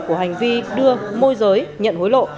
của hành vi đưa môi giới nhận hối lộ